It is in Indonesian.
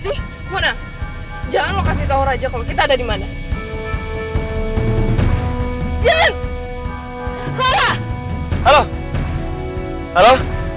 hai mona jangan kasih tahu raja kalau kita ada di mana